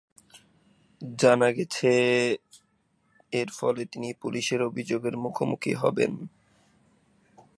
জানা গেছে যে এর ফলে তিনি পুলিশের অভিযোগের মুখোমুখি হবেন।